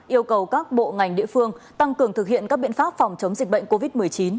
yêu cầu các bộ ngành địa phương tăng cường thực hiện các biện pháp phòng chống dịch bệnh covid một mươi chín